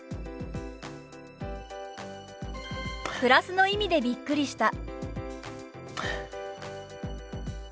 「プラスの意味でびっくりした」。